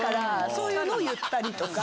そういうのを言ったりとか。